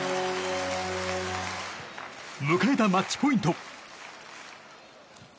迎えたマッチポイント。